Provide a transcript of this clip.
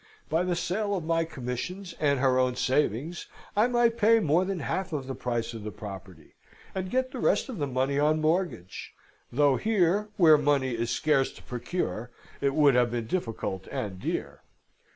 By the sale of my commissions and her own savings I might pay more than half of the price of the property, and get the rest of the money on mortgage; though here, where money is scarce to procure, it would have been difficult and dear.